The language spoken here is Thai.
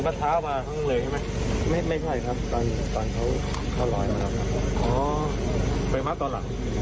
ไปจังที่อุ่น